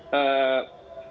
sudah diperiksa ternyata negatif